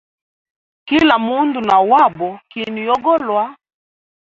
Kila mundu na wabo kinwe yogolwa.